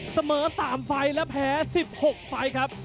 เสมอ๓ไฟล์และแพ้๑๖ไฟล์ครับ